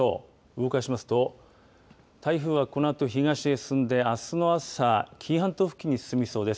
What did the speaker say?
動かしますと台風はこのあと東へ進んで、あすの朝紀伊半島付近に進みそうです。